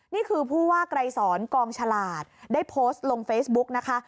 นี่คือผู้ว่าไกรสอนกองฉลาดได้โพสต์ลงเฟซบุ๊กนะคะ